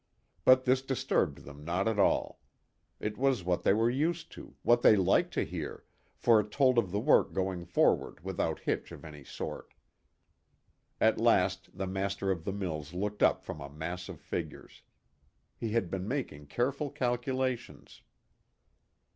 But this disturbed them not at all. It was what they were used to, what they liked to hear, for it told of the work going forward without hitch of any sort. At last the master of the mills looked up from a mass of figures. He had been making careful calculations.